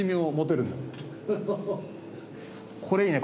これいいね。